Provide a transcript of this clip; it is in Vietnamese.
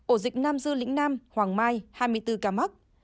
ổ dịch nam dư lĩnh nam hoàng mai hai mươi bốn ca mắc